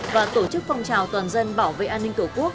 và tổ chức phong trào toàn dân bảo vệ an ninh tổ quốc